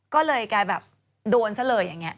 ก็เลยกลายแบบโดนเสล่อย่างนี้